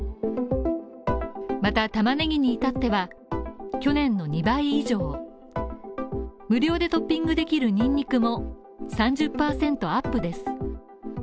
またタマネギにいたっては、去年の２倍以上無料でトッピングできるニンニクも３０％アップです。